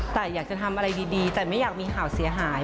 แต่อยากจะทำอะไรดีแต่ไม่อยากมีข่าวเสียหาย